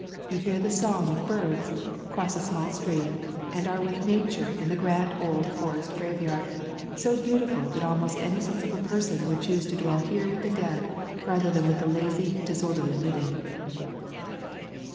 You hear the song of birds, cross a small stream, and are with Nature in the grand old forest graveyard, so beautiful that almost any sensible person would choose to dwell here with the dead rather than with the lazy, disorderly living.